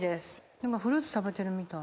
今フルーツ食べてるみたい。